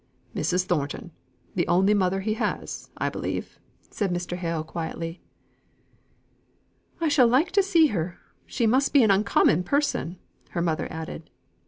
"Mrs. Thornton; the only mother he has, I believe," said Mr. Hale, quietly. "I shall like to see her. She must be an uncommon person," her mother added.